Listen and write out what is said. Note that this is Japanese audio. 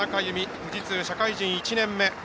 富士通、社会人１年目。